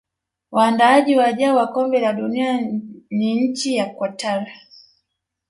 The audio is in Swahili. waandaaji wajao wa kombe la dunia ni nchi ya Qatar